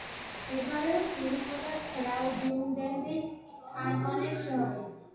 მდებარეობს ურისა და გრაუბიუნდენის კანტონებს შორის.